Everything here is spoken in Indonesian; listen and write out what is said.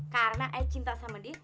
karena ayet cinta sama dia